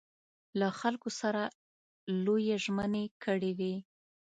له خلکو سره لویې ژمنې کړې وې.